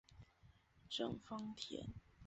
郑芳田。